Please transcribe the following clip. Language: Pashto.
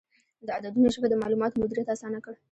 د عددونو ژبه د معلوماتو مدیریت اسانه کړ.